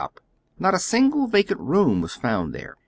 ^ot a single vacant room was found there.